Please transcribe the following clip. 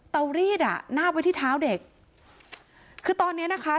รีดอ่ะนาบไว้ที่เท้าเด็กคือตอนเนี้ยนะคะ